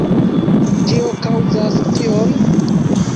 Kio kaŭzas tion?